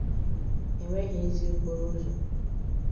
enweghị ezi okporo ụzọ